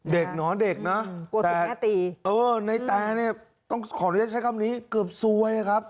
เด็กเนาะแต่ในแต่ขออนุญาตใช้คำนี้เกือบซวยครับ